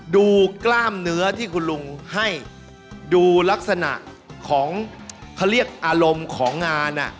กล้ามเนื้อที่คุณลุงให้ดูลักษณะของเขาเรียกอารมณ์ของงาน